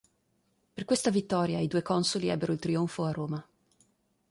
Per questa vittoria i due consoli ebbero il trionfo a Roma.